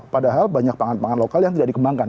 padahal banyak pangan pangan lokal yang tidak dikembangkan